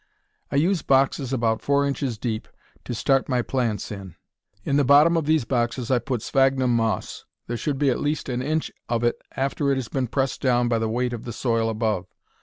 I use boxes about four inches deep to start my plants in. In the bottom of these boxes I put sphagnum moss. There should be at least an inch of it after it has been pressed down by the weight of the soil above.